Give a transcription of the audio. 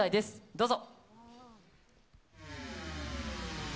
どうぞ。